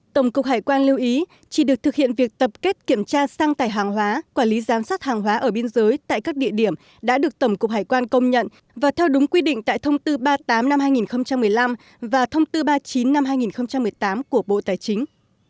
tổng cục hải quan lưu ý chỉ được thực hiện việc tập kết kiểm tra sang tài hàng hóa quản lý giám sát hàng hóa ở biên giới tại các địa điểm đã được tổng cục hải quan công nhận và theo đúng quy định tại thông tư ba mươi tám năm hai nghìn một mươi năm và thông tư ba mươi chín năm hai nghìn một mươi tám của bộ tài chính